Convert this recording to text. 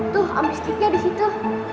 tuh ambis tika di situ